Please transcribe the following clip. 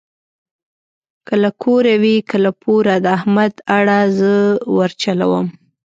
که له کوره وي که له پوره د احمد اړه زه ورچلوم.